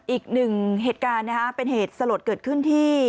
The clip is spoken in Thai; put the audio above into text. อีกหนึ่งเหตุการณ์นะฮะเป็นเหตุสลดเกิดขึ้นที่